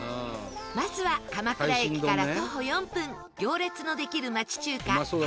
まずは鎌倉駅から徒歩４分行列のできる町中華大新さん。